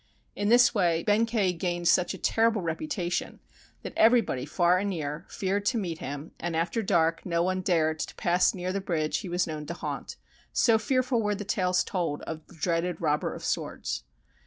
In this way Benkei gained such a terrible reputation that everybody far and near feared to meet him, and after dark no one dared to pass near the bridge he was known to haunt, so fearful were the tales told of the dreaded robber of swords.